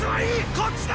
こっちだ！